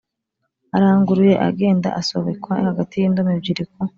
aranguruye agenda asobekwa hagati y'indomo ebyiri ku